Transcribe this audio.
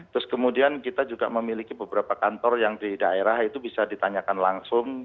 terus kemudian kita juga memiliki beberapa kantor yang di daerah itu bisa ditanyakan langsung